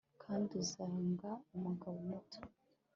Kandi uzanga Umugabo muto